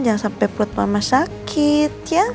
jangan sampai pelut mama sakit